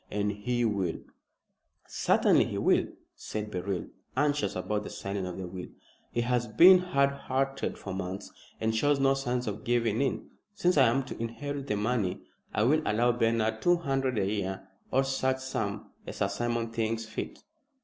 And he will " "Certainly he will," said Beryl, anxious about the signing of the will. "He has been hard hearted for months, and shows no signs of giving in. Since I am to inherit the money I will allow Bernard two hundred a year, or such sum as Sir Simon thinks fit."